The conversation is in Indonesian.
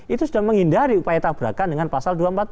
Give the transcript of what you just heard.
itu sudah menghindari upaya tabrakan dengan pasal dua ratus empat puluh